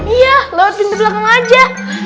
iya lewat pintu belakang aja